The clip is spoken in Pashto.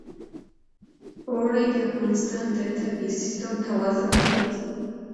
اوړي د افغانستان د طبعي سیسټم توازن ساتي.